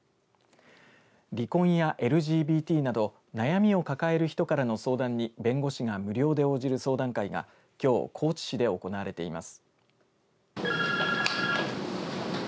離婚やＬＧＢＴなど悩みを抱える人からの相談に弁護士が無料で応じる相談会がきょう高知市で行われています。